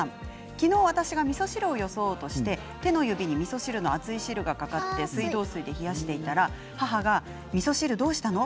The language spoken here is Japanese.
きのう私がみそ汁をよそおうとして手の指にみそ汁の熱い汁がかかり水道水で冷やしたら母はみそ汁どうしたの？